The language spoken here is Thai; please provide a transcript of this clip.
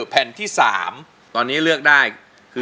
เพลงนี้ที่๕หมื่นบาทแล้วน้องแคน